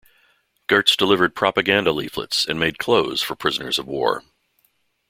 Gertz delivered propaganda leaflets and made clothes for prisoners of war.